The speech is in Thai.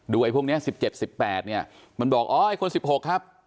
ดูไอ้พวกเนี้ยสิบเจ็ดสิบแปดเนี้ยมันบอกอ๋อไอ้คนสิบหกครับ